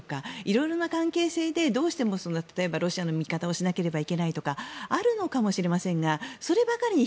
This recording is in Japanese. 色々な関係性でどうしても例えば、ロシアの味方をしなければいけないとかあるのかもしれませんがそればかりに